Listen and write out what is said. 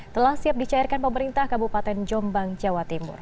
telah siap dicairkan pemerintah kabupaten jombang jawa timur